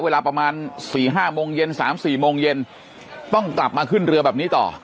เวลาประมาณ๔๕โมงเย็น๓๔โมงเย็นต้องกลับมาขึ้นเรือแบบนี้ต่อ